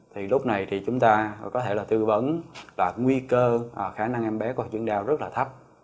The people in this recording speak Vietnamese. thì lúc này thì chúng ta có thể là tư vấn là nguy cơ khả năng em bé có chuyển đeo rất là thấp